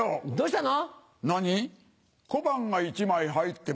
どうしたの？